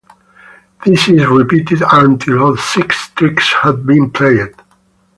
This is repeated until all six tricks have been played.